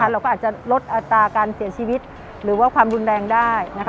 เราก็อาจจะลดอัตราการเสียชีวิตหรือว่าความรุนแรงได้